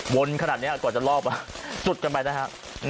วนขนาดนี้กว่าจะรอบจุดกันไปนะฮะ